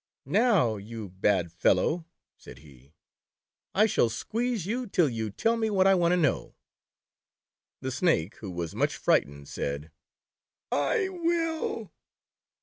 "Now, you bad fellow," said he, "I shall squeeze you till you tell me what I want to know." The Snake, who was much frightened, said : I will."